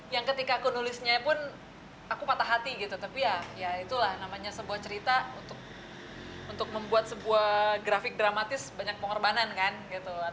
yang ketika aku nulisnya pun aku patah hati gitu tapi ya ya itulah namanya sebuah cerita untuk membuat sebuah grafik dramatis banyak pengorbanan kan gitu